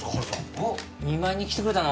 おっ見舞いに来てくれたの？